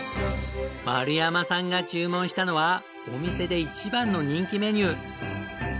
丸山さんが注文したのはお店で一番の人気メニュー。